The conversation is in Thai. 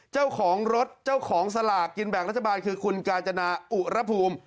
เจ้าของรถเจ้าของสลากกินแบ่งรัฐบาลคือคุณกาญจนาอุระภูมิ